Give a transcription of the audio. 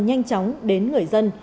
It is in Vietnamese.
nhanh chóng đến người dân